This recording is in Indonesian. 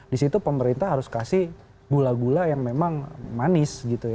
di situ pemerintah harus kasih gula gula yang memang manis